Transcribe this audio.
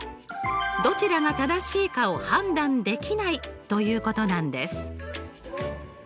どちらが正しいかを判断できないということなんです。